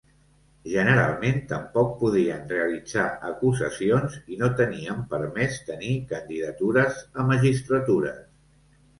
Generalment tampoc podien realitzar acusacions i no tenien permès tenir candidatures a magistratures.